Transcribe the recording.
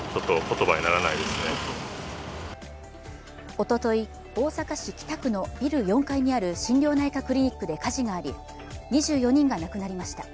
おととい、大阪市北区のビル４階にある心療内科クリニックで火事があり２４人が亡くなりました。